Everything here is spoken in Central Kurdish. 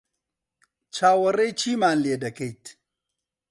چاوەڕێی چیمان لێ دەکەیت؟